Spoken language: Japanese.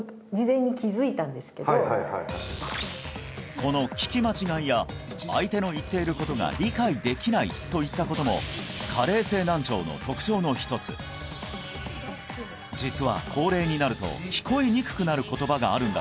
この聞き間違いや相手の言っていることが理解できないといったことも加齢性難聴の特徴の一つ実は高齢になると聞こえにくくなる言葉があるんだ